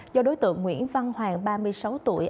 do đối tượng nguyễn văn hoàng ba mươi sáu tuổi